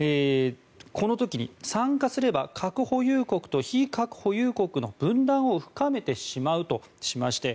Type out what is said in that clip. この時に、参加すれば核保有国と非核保有国の分断を深めてしまうとしまして